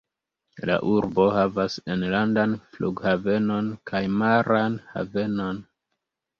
La urbo havas enlandan flughavenon kaj maran havenon.